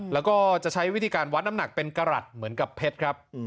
แล้วก็จะใช้วิธีการวัดน้ำหนักเป็นกรัฐเหมือนกับเพชรครับ